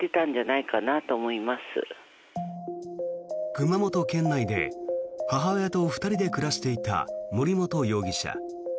熊本県内で母親と２人で暮らしていた森本容疑者。